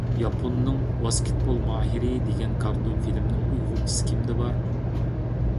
ياپوننىڭ «ۋاسكېتبول ماھىرى» دېگەن كارتون فىلىمىنىڭ ئۇيغۇرچىسى كىمدە بار؟